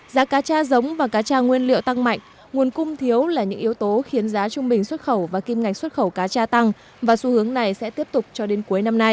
giá cá cha giống và cá tra nguyên liệu tăng mạnh nguồn cung thiếu là những yếu tố khiến giá trung bình xuất khẩu và kim ngạch xuất khẩu cá cha tăng và xu hướng này sẽ tiếp tục cho đến cuối năm nay